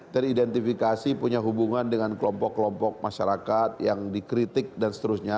teridentifikasi punya hubungan dengan kelompok kelompok masyarakat yang dikritik dan seterusnya